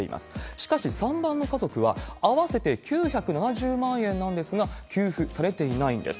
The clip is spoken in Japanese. しかし３番の家族は、合わせて９７０万円なんですが、給付されていないんです。